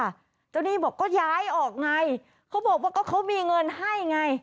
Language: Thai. เจ้าหนี้บอกก็ย้ายออกไงเขาบอกว่าก็เขามีเงินให้ไง